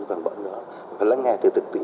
phản bội đó phải lắng nghe từ thực tế